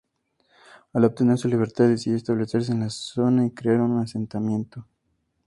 Al obtener su libertad, decidió establecerse en la zona y crear un asentamiento.